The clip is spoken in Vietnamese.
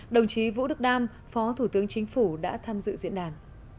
đồng chí vũ đức đam phó thủ tướng chính phủ đã tham dự diễn đàn